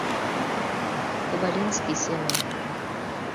Коваленский семын